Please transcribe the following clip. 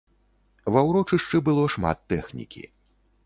Ва ўрочышчы было шмат тэхнікі.